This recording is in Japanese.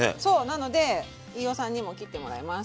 なので飯尾さんにも切ってもらいます。